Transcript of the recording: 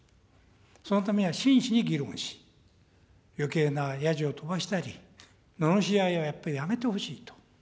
そのためには真摯に議論をし、よけいなやじを飛ばしたり、ののしり合いはやっぱり、やめてほしいと。